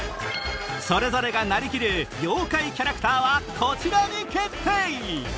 それぞれがなりきる妖怪キャラクターはこちらに決定！